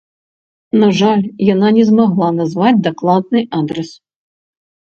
На жаль, яна не змагла назваць дакладны адрас.